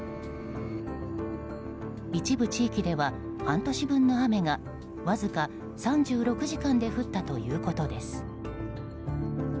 一部地域では半年分の雨がわずか３６時間で降ったということです。